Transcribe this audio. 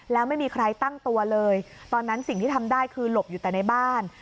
แล้วไม่มีใครตั้งตัวเลยตอนนั้นสิ่งที่ทำได้คือหลบอยู่แต่ในบ้าน